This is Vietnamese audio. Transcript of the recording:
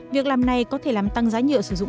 việc làm này có thể làm tăng giá nhựa sử dụng